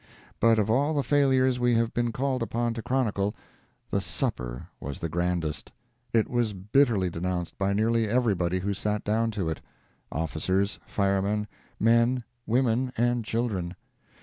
But of all the failures we have been called upon to chronicle, the supper was the grandest. It was bitterly denounced by nearly everybody who sat down to it—officers, firemen, men, women and children.